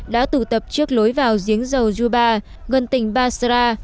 đã tụ tập trước lối vào giếng dầu juba gần tỉnh basra